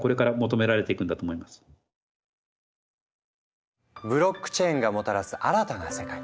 ブロックチェーンがもたらす新たな世界「Ｗｅｂ３」。